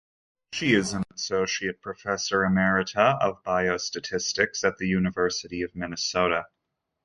She is an associate professor emerita of biostatistics at the University of Minnesota.